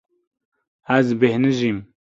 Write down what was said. Ez bêhnijîm.